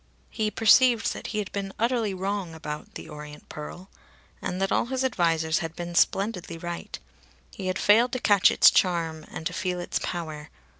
He perceived that he had been utterly wrong about "The Orient Pearl." And that all his advisers had been splendidly right. He had failed to catch its charm and to feel its power.